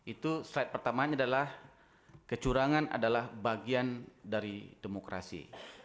itu slide pertamanya adalah kecurangan adalah bagian dari demokrasi